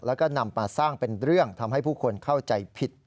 แล้วก็นำมาสร้างเป็นเรื่องทำให้ผู้คนเข้าใจผิด